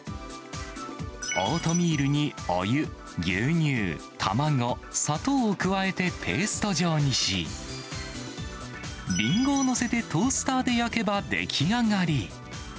オートミールにお湯、牛乳、卵、砂糖を加えてペースト状にし、りんごを載せてトースターで焼けば出来上がり。